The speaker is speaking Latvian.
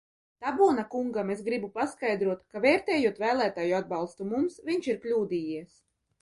Tabūna kungam es gribu paskaidrot, ka, vērtējot vēlētāju atbalstu mums, viņš ir kļūdījies.